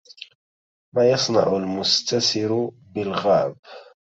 ما يصنع المستسر بالغاب